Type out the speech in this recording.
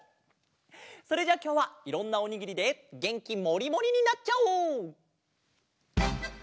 それじゃあきょうはいろんなおにぎりでげんきもりもりになっちゃおう！